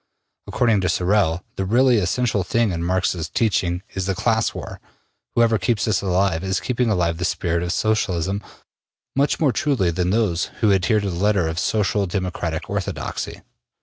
According to Sorel, the really essential thing in Marx's teaching is the class war. Whoever keeps this alive is keeping alive the spirit of Socialism much more truly than those who adhere to the letter of Social Democratic orthodoxy.